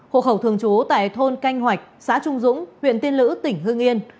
hộ khẩu thường trú tại thôn canh hoạch xã trung dũng huyện tiên lữ tỉnh hương yên